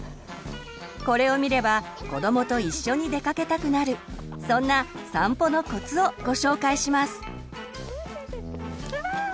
これを見れば子どもと一緒に出かけたくなるそんな散歩のコツをご紹介します。